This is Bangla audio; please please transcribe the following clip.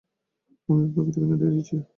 আমি আপনাকে ঠিকানা দিয়ে দিচ্ছি।